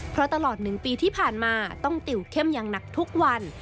เพราะตลอด๑ปีที่ผ่านมาต้องติวเข้มอย่างหนักทุกวัน